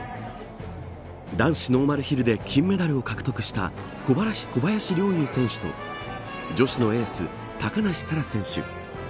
男子ノーマルヒルで金メダルを獲得した小林陵侑選手と女子のエース、高梨沙羅選手